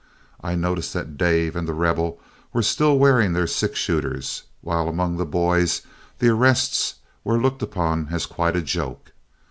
I noticed that Dave and The Rebel were still wearing their six shooters, while among the boys the arrests were looked upon as quite a joke.